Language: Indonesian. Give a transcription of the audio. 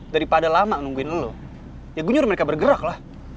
daripada lama nungguin lo ya gue nyuruh mereka bergeraklah